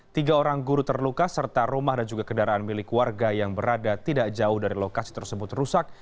tiga orang guru terluka serta rumah dan juga kendaraan milik warga yang berada tidak jauh dari lokasi tersebut rusak